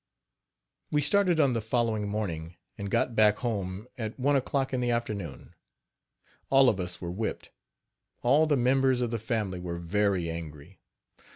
" We started on the following morning, and got back home at one o'clock in the afternoon. All of us were whipped. All the members of the family were very angry.